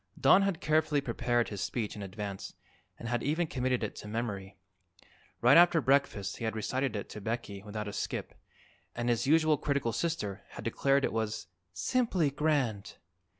Don had carefully prepared his speech in advance and had even committed it to memory. Right after breakfast he had recited it to Becky without a skip, and his usually critical sister had declared it was "simply grand."